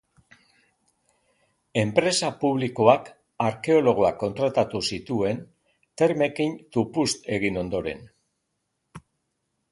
Enpresa publikoak arkeologoak kontratatu zituen, termekin tupust egin ondoren.